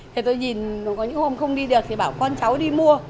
thì tôi nhìn có những hôm không đi được thì bảo con cháu đi mua